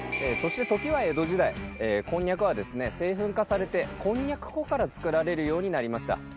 そして時は江戸時代こんにゃくはですね製粉化されてこんにゃく粉から作られるようになりました。